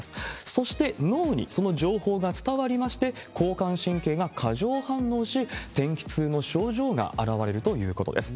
そして脳にその情報が伝わりまして、交感神経が過剰反応し、天気痛の症状が表れるということです。